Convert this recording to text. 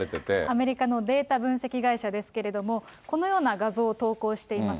アメリカのデータ分析会社ですけれども、このような画像を投稿しています。